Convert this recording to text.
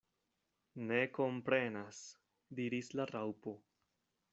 "Ne komprenas," diris la Raŭpo.